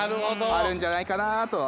あるんじゃないかなとは。